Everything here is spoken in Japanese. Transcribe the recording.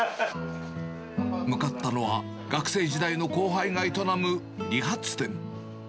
向かったのは、学生時代の後輩が営む理髪店。